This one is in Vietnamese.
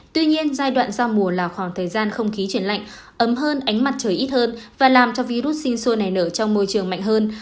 tuy nhiên giai đoạn giao mùa là khoảng thời gian không khí chuyển lạnh ấm hơn ánh mặt trời ít hơn và làm cho virus sinh sôi nảy nở trong môi trường mạnh hơn